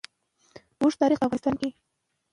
د علم کچې د مطالعې له لارې معلومیدلی شي.